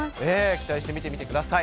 期待して見てみてください。